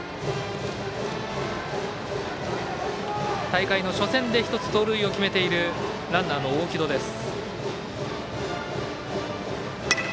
大会の初戦で１つ盗塁を決めているランナーの大城戸です。